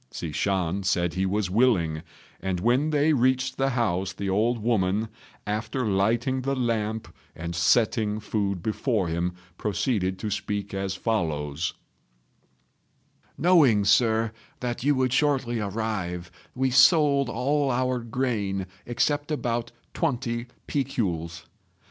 Hsi Shan said he was willing; and when they reached the house the old woman, after lighting the lamp and setting food before him, proceeded to speak as follows: "Knowing, Sir, that you would shortly arrive, we sold all our grain except about twenty piculs.